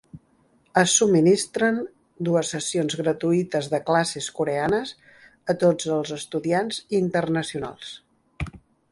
Es subministren dues sessions gratuïtes de classes coreanes a tots els estudiants internacionals.